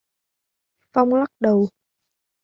Phong lắc đầu